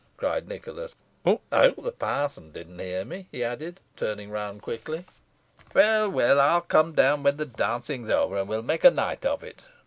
cried Nicholas "I hope the parson didn't hear me," he added, turning round quickly. "Well, well, I'll come down when the dancing's over, and we'll make a night of it."